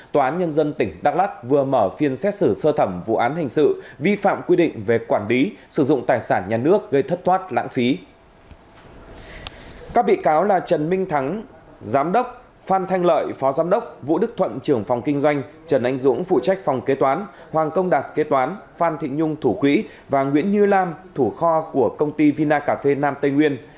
trần minh thắng giám đốc phan thanh lợi phó giám đốc vũ đức thuận trưởng phòng kinh doanh trần anh dũng phụ trách phòng kế toán hoàng công đạt kế toán phan thịnh nhung thủ quỹ và nguyễn như lam thủ kho của công ty vina cà phê nam tây nguyên